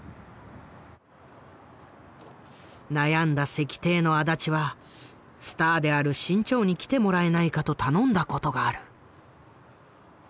悩んだ席亭の足立はスターである志ん朝に来てもらえないかと頼んだことがある。